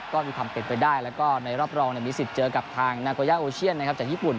ก็มีความเป็นไปได้แล้วก็ในรอบรองมีสิทธิ์เจอกับทางนาโกย่าโอเชียนจากญี่ปุ่น